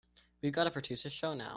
We've got to produce a show now.